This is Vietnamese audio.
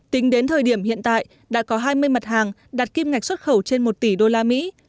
tính đến thời điểm hiện tại đã có hai mươi mặt hàng đạt kim ngạch xuất khẩu trên một tỷ đô la mỹ